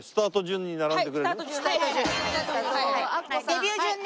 デビュー順ね。